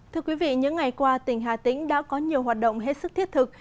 thưa quý vị những ngày qua tỉnh hà tĩnh đã có nhiều hoạt động hết sức thiết thực